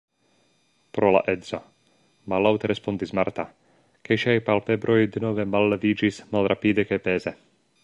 Pro la edzo, mallaŭte respondis Marta, kaj ŝiaj palpebroj denove malleviĝis malrapide kaj peze.